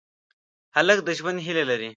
هلک د ژوند هیلې لري.